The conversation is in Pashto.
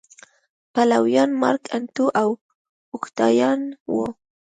پلویان مارک انتو او اوکتاویان و